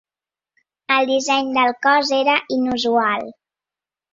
El disseny del cos era inusual.